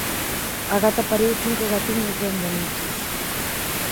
A gata pariu cinco gatiños ben bonitos.